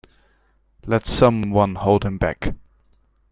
Let some one hold him back.